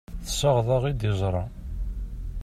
Tessaɣeḍ-aɣ-d iẓra.